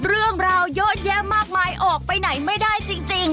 เรื่องราวเยอะแยะมากมายออกไปไหนไม่ได้จริง